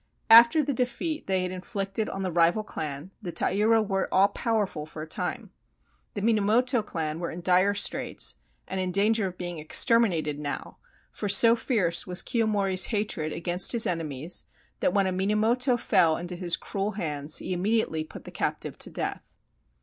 After the defeat they had inflicted on the rival clan, the Taira were all powerful for a time. The Minamoto clan were in dire straits and in danger of being exter minated now, for so fierce was Kiyomori's hatred against his enemies that when a Minamoto fell into his cruel hands he immediately put the captive to death.